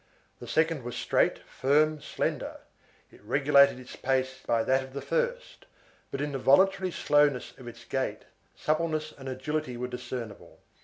The second was straight, firm, slender. It regulated its pace by that of the first; but in the voluntary slowness of its gait, suppleness and agility were discernible.